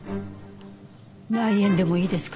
内縁でもいいですか？